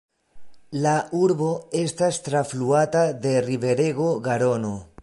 La urbo estas trafluata de la riverego Garono.